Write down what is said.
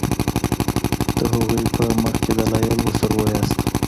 د هغوی په مخکي دلائل ورسره وواياست